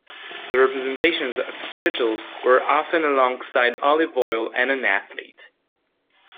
The representations of strigils were often alongside olive oil and an athlete.